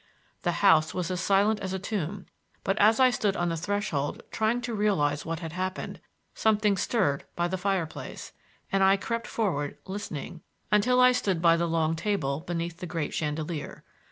The house was as silent as a tomb, but as I stood on the threshold trying to realize what had happened, something stirred by the fireplace and I crept forward, listening, until I stood by the long table beneath the great chandelier.